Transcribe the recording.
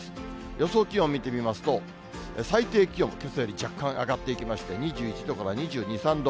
予想気温見てみますと、最低気温、けさより若干上がっていきまして、２１度から２２、３度。